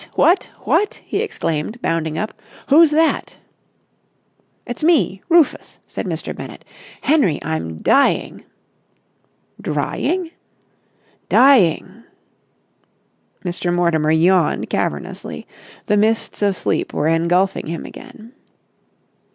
What?" he exclaimed, bounding up. "Who's that?" "It's me—Rufus," said Mr. Bennett. "Henry, I'm dying!" "Drying?" "Dying!" Mr. Mortimer yawned cavernously. The mists of sleep were engulfing him again.